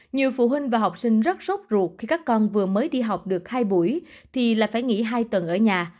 nhiều phụ huynh và học sinh rất sốt ruột khi các con vừa mới đi học được hai buổi thì là phải nghỉ hai tuần ở nhà